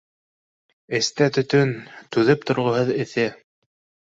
Эстә төтөн, түҙеп торғоһоҙ эҫе